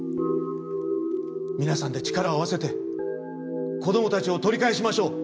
皆さんで力を合わせて子供たちを取り返しましょう。